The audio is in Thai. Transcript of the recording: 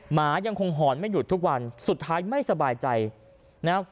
หมายังคงหอนไม่หยุดทุกวันสุดท้ายไม่สบายใจนะครับ